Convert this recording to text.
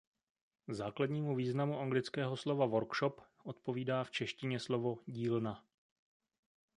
Základnímu významu anglického slova "workshop" odpovídá v češtině slovo "dílna".